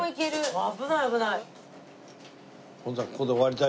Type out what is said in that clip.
危ない危ない。